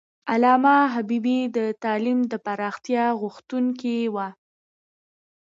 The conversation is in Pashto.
علامه حبیبي د تعلیم د پراختیا غوښتونکی و.